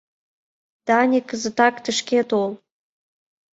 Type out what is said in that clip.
— Даник, кызытак тышке тол!